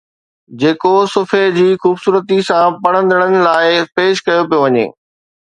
جيڪو صفحي جي خوبصورتي سان پڙهندڙن لاءِ پيش ڪيو پيو وڃي